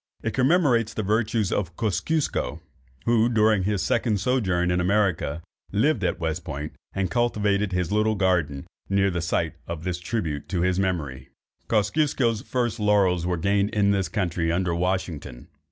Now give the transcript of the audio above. It commemorates the virtues of Kosciusko, who, during his second sojourn in America, lived at West Point, and cultivated his little garden, near the site of this tribute to his memory. Kosciusko's first laurels were gained in this country under Washington.